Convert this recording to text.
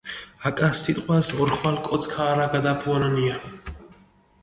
აკა სიტყვას ორხვალი კოც ქაარაგადაფუანანია.